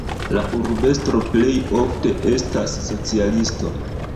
La urbestro plej ofte estas socialisto.